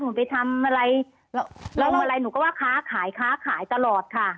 หนูไปทำอะไรแล้วอะไรหนูก็ว่าค้าขายค้าขายตลอดค่ะ